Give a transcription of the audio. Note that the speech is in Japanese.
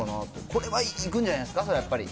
これはいくんじゃないですか、やっぱり。